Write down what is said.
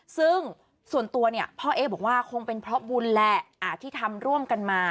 ซึ่งส่วนตัวเนี่ยพ่อเอ๊บอกว่าคงเป็นเพราะบุญแหละที่ทำร่วมกันมา